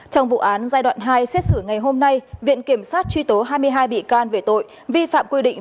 trong vụ án giai đoạn hai xét xử ngày hôm nay viện kiểm sát truy tố hai mươi hai bị can về tội vi phạm quy định